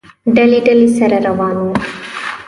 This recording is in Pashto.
ډلې، ډلې، سره وران شول